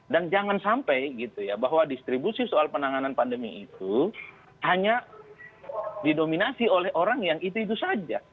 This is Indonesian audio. dan jangan sampai bahwa distribusi soal penanganan pandemi itu hanya didominasi oleh orang yang itu itu saja